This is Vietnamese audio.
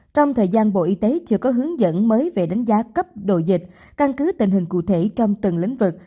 trong thời gian bộ y tế chưa có hướng dẫn mới về đánh giá cấp độ dịch căn cứ tình hình cụ thể trong từng lĩnh vực